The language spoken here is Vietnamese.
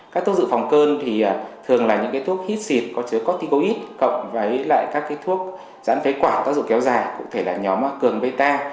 các thuốc dự phòng cơn thì thường là những cái thuốc hít xịt có chứa corticoid cộng với lại các cái thuốc giãn phế quả tác dụng kéo dài cụ thể là nhóm cường beta